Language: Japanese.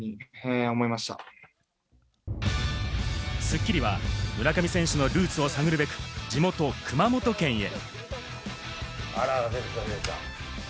『スッキリ』は村上選手のルーツを探るべく地元・熊本県へ。